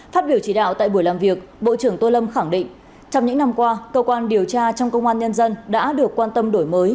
phát biểu chỉ đạo tại buổi làm việc bộ trưởng tô lâm khẳng định trong những năm qua cơ quan điều tra trong công an nhân dân đã được quan tâm đổi mới